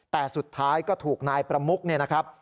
แต่สุดท้ายก็ถูกนายประมุกเนี่ยนะครับ